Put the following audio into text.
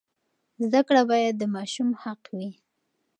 زده کړه باید د ماشوم حق وي.